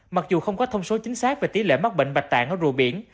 mặc dù không có thông số chính xác về tỷ lệ mắc bệnh bạch tạng ở rùa biển